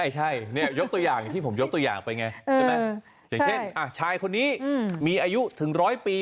ใช่ยกตัวอย่างที่ผมยกตัวอย่างไปไงใช่ไหมอย่างเช่นชายคนนี้มีอายุถึง๑๐๐ปี